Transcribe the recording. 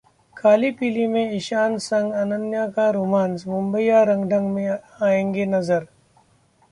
खाली पीली में ईशान संग अनन्या का रोमांस, मुंबईया रंग-ढंग में आएंगी नजर